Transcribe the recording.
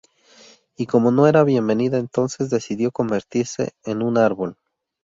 Y como no era bienvenida entonces decidió convertirse en un árbol.